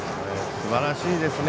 すばらしいですね。